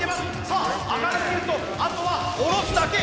さあ上がりきるとあとは下ろすだけ。